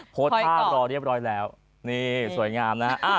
โพสต์ภาพรอเรียบร้อยแล้วนี่สวยงามนะ